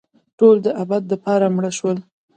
ټول دابد دپاره مړه شوله